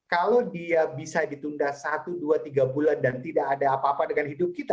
kalau dia bisa ditunda satu dua tiga bulan dan tidak ada apa apa dengan hidup kita